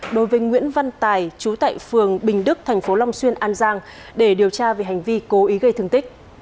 đối với nguyễn văn tài chú tại phường bình đức thành phố long xuyên an giang để điều tra về hành vi cố ý gây thương tích